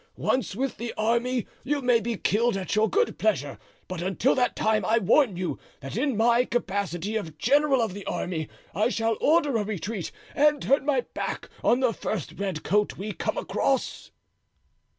Once with the army you may be killed at your good pleasure; but until that time, I warn you that in my capacity of general of the army I shall order a retreat and turn my back on the first red coat we come across."